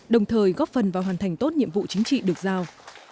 đồng thời góp phần vào hoàn thành tốt nhiệm vụ chính trị được giao